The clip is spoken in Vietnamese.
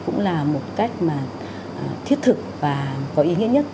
cũng là một cách thiết thực và có ý nghĩa nhất